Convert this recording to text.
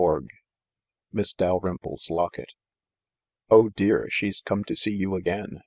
MISS DALRYMPLE'S LOCKET , dear, she's come to see you again!"